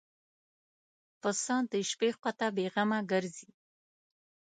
پسه د شپې خوا ته بېغمه ګرځي.